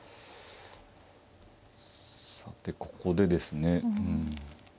さてここでですね。